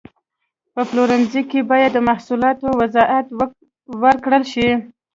په پلورنځي کې باید د محصولاتو وضاحت ورکړل شي.